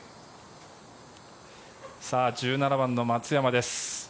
１７番の松山です。